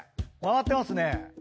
回ってますね。